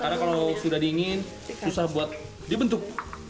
karena kalau sudah dingin susah buat dibentuk